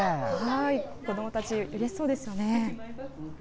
子どもたちうれしそうですよね。